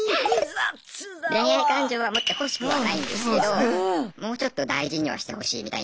恋愛感情は持ってほしくはないんですけどもうちょっと大事にはしてほしいみたいな。